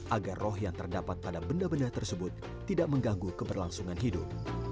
agar roh yang terdapat pada benda benda tersebut tidak mengganggu keberlangsungan hidup